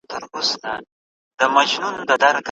په دې پروسه کي ډیر بدلونونه رامنځته کیږي.